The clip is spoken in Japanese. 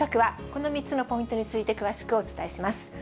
この３つのポイントについて、詳しくお伝えします。